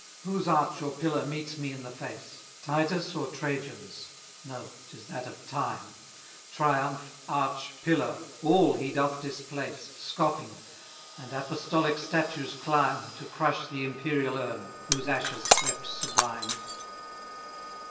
Whose arch or pillar meets me in the face, Titus or Trajan's? No; 'tis that of Time: Triumph, arch, pillar, all he doth displace, Scoffing; and apostolic statues climb To crush the imperial urn, whose ashes slept sublime, CXI.